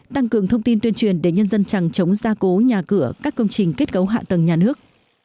tăng cường thông tin tuyên truyền để nhân dân chẳng chống gia cố nhà cửa các công trình kết cấu hạ tầng nhà nước